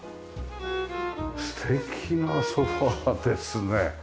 素敵なソファですね。